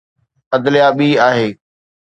عدليه ٻي آهي.